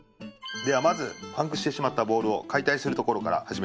ではまずパンクしてしまったボールを解体するところから始めていきます。